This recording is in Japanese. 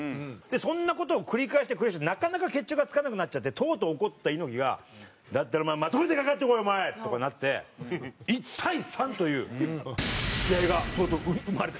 そんな事を繰り返して繰り返してなかなか決着がつかなくなっちゃってとうとう怒った猪木が「だったらまとめてかかってこいお前！」とかなって１対３という試合がとうとう生まれた。